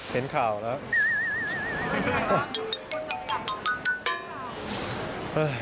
เห็นข่าวใกล้